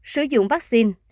một sử dụng vaccine